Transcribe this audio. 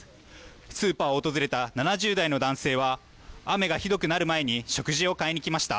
スーパーを訪れた７０代の男性は雨がひどくなる前に食事を買いに来ました。